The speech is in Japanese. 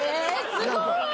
すごーい！